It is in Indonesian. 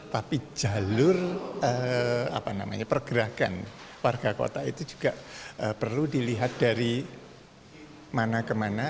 tapi jalur apa namanya pergerakan warga kota itu juga perlu dilihat dari mana ke mana